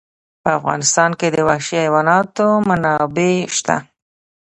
په افغانستان کې د وحشي حیواناتو منابع شته.